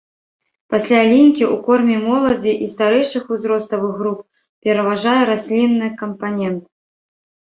Пасля лінькі ў корме моладзі і старэйшых узроставых груп пераважае раслінны кампанент.